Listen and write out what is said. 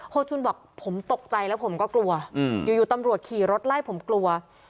จุนบอกผมตกใจแล้วผมก็กลัวอยู่ตำรวจขี่รถไล่ผมกลัว